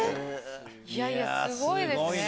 いやいやすごいですね。